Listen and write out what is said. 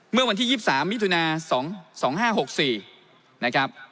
เมื่อวันที่๒๓มิถุนา๒๕๖๔